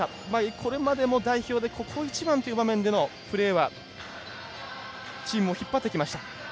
これまでの代表で、ここ一番のプレーはチームを引っ張ってきました。